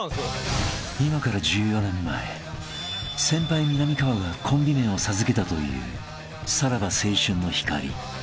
［今から１４年前先輩みなみかわがコンビ名を授けたというさらば青春の光］